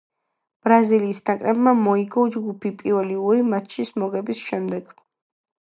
ბრაზილიის ნაკრებმა მოიგო ჯგუფი პირველი ორი მატჩის მოგების შემდეგ.